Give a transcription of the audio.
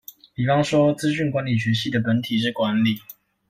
比方說「資訊管理學系」的本體是管理